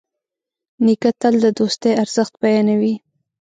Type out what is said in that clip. نیکه تل د دوستي ارزښت بیانوي.